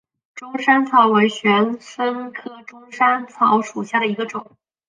钟山草为玄参科钟山草属下的一个种。